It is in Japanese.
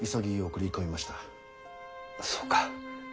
そうか。